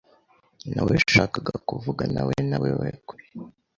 Naweshakaga kuvuganawe nawewe kuri .